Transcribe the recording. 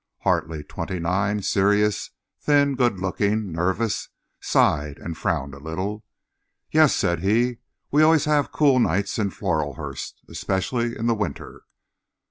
Hartley, twenty nine, serious, thin, good looking, nervous, sighed and frowned a little. "Yes," said he, "we always have cool nights in Floralhurst, especially in the winter."